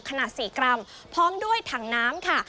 ขนาด๔กรัมพร้อมด้วยถังน้ำค่ะ